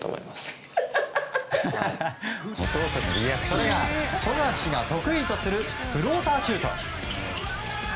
それが、富樫が得意とするフローターシュート。